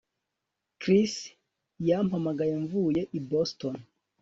Chris yampamagaye mvuye i Boston